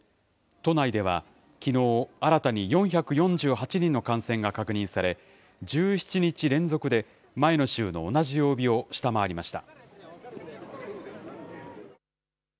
都内ではきのう、新たに４４８人の感染が確認され、１７日連続で前の週の同じ曜日を下回りました。